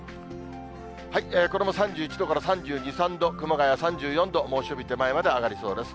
これも３１度から３２、３度、熊谷３４度、猛暑日手前まで上がりそうです。